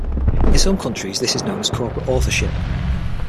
In some countries, this is known as corporate authorship.